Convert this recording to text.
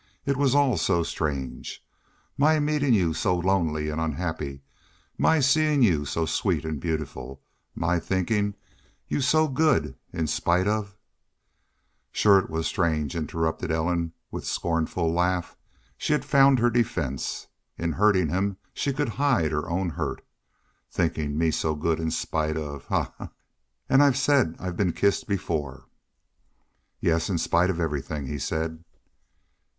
... It was all so strange. My meetin' you so lonely and unhappy, my seein' you so sweet and beautiful, my thinkin' you so good in spite of " "Shore it was strange," interrupted Ellen, with scornful laugh. She had found her defense. In hurting him she could hide her own hurt. "Thinking me so good in spite of Ha ha! And I said I'd been kissed before!" "Yes, in spite of everything," he said.